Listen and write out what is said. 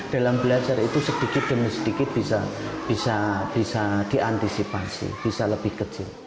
dalam belajar itu sedikit demi sedikit bisa diantisipasi bisa lebih kecil